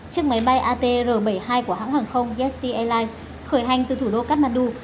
chiếc máy bay atr bảy mươi hai của hãng hàng không yesti airlines khởi hành từ thủ đô kathmandu